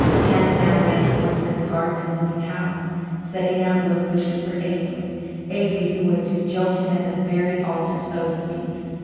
Janet found Randall working in the garden of his new house setting out rosebushes for Avery Avery, who was to jilt him at the very altar, so to speak.